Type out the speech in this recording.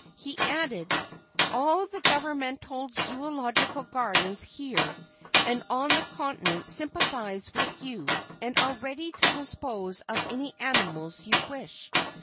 He added: "All the Governmental Zoölogical Gardens here and on the continent sympathize with you, and are ready to dispose of any animals you wish.